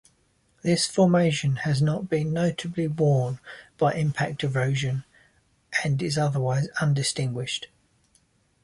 This formation has not been notably worn by impact erosion, and is otherwise undistinguished.